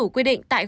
quy tắc bốn sáu